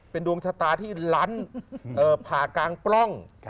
เป็นดวงชะตาที่ลั้นผ่ากลางปล้อง